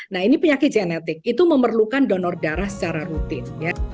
nah ini penyakit genetik itu memerlukan donor darah secara rutin